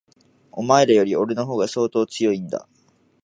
お前らより、俺の方が相当強いんだ。